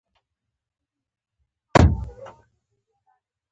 قوانین چې کوډ یې باله جوړ کړي.